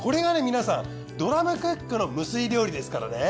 皆さんドラムクックの無水料理ですからね。